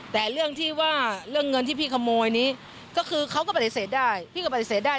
แต่เรื่องที่ว่าเรื่องเงินที่พี่ขโมยนี้ก็คือเขาก็ปฏิเสธได้พี่ก็ปฏิเสธได้